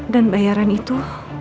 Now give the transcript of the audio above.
dan bayaran itu